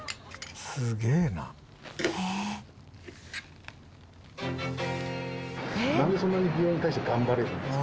なんでそんなに美容に対して頑張れるんですか？